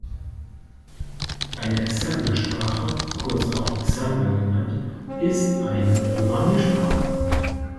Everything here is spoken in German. Eine Assemblersprache, kurz auch Assembler genannt, ist eine Programmiersprache.